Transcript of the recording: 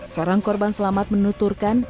seorang korban selamat menuturkan